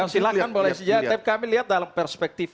silahkan boleh saja tapi kami lihat dalam perspektif